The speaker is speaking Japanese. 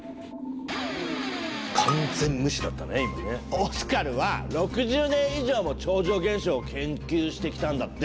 オスカルは６０年以上も超常現象を研究してきたんだって。